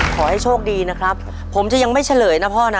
ขอให้โชคดีนะครับผมจะยังไม่เฉลยนะพ่อนะ